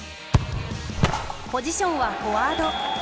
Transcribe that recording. ポジションはフォワード。